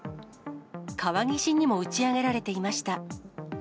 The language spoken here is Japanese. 川岸にも打ち上げられていました。